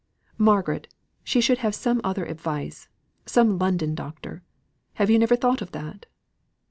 Margaret! she should have some other advice some London doctor. Have you never thought of that?"